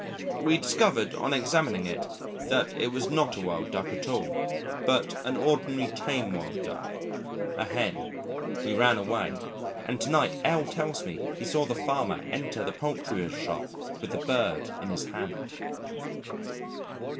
We discovered on examining it that it was not Wild Duck at all but an ordinary tame Wild Duck a hen. We ran away, and to night L tells me he saw the Farmer enter the poulterer's shop with the bird in his hand.